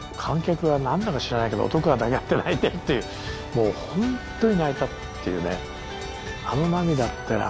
もうホントに泣いたっていうね。